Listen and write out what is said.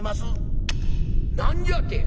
「何じゃて？